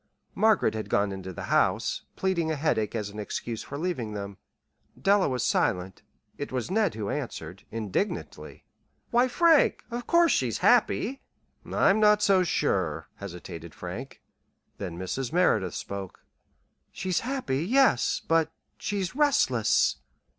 Margaret had gone into the house, pleading a headache as an excuse for leaving them. Della was silent. It was Ned who answered, indignantly. "Why, Frank, of course she's happy!" "I'm not so sure," hesitated Frank. Then Mrs. Merideth spoke. "She's happy, yes; but she's restless."